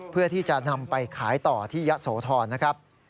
เพื่อที่จะนำไปขายต่อที่ยะโสธรนะครับ